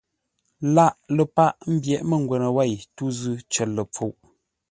Laghʼ ləpâʼ ḿbyéʼ mə́ngwə́nə wêi tû zʉ́ cər ləpfuʼ.